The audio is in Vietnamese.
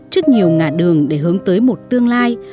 trước nhiều ngã đường để hướng tới một tương lai